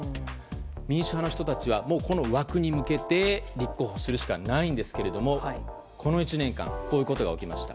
民主派の人たちはこの枠に向けて立候補するしかないんですけれど、この１年間こういうことが起きました。